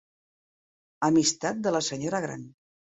Amistat de la senyora gran.